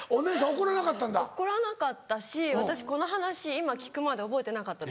怒らなかったし私この話今聞くまで覚えてなかったです。